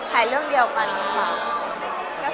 ถ่ายเรื่องเดียวกันหรือเรียกกัน